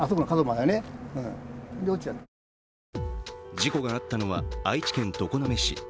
事故があったのは愛知県常滑市。